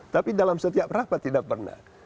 tapi dalam setiap rapat tidak pernah